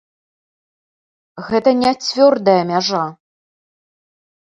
Гэта не цвёрдая мяжа.